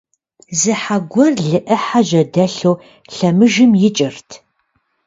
Зы хьэ гуэр лы Ӏыхьэ жьэдэлъу лъэмыжым икӀырт.